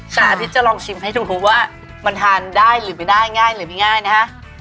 สาธิศจะลองชิมให้ดูว่ามันทานได้หรือไม่ได้ง่ายนะฮะ